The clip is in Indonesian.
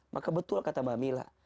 maka betul kata mbak mila